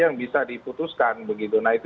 yang bisa diputuskan begitu nah itu